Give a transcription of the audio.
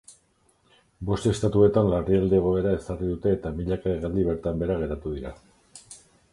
Bost estatuetan larrialdi egoera ezarri dute eta milaka hegaldi bertan behera geratu dira.